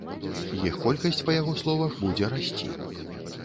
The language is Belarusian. Іх колькасць, па яго словах, будзе расці.